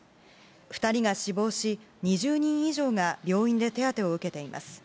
２人が死亡し、２０人以上が病院で手当てを受けています。